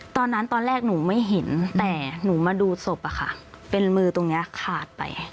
ตอนแรกตอนแรกหนูไม่เห็นแต่หนูมาดูศพเป็นมือตรงนี้ขาดไป